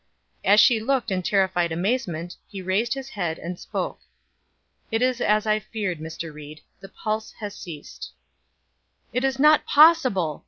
As she looked in terrified amazement, he raised his head and spoke. "It is as I feared, Mr. Ried. The pulse has ceased." "It is not possible!"